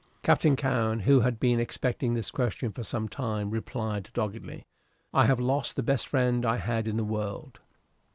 Captain Cowen, who had been expecting this question for some time, replied, doggedly, "I have lost the best friend I had in the world."